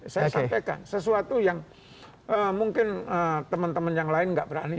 saya sampaikan sesuatu yang mungkin teman teman yang lain nggak berani